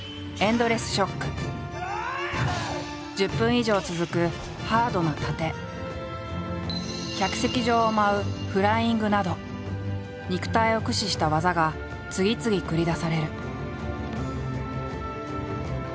１０分以上続くハードな殺陣客席上を舞うフライングなど肉体を駆使した技が次々繰り出される。